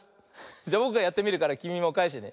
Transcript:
じゃぼくがやってみるからきみもかえしてね。